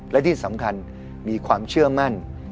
และที่สำคัญมีความเชื่อมั่น